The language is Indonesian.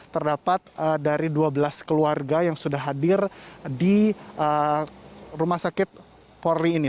terdapat dari dua belas keluarga yang sudah hadir di rumah sakit polri ini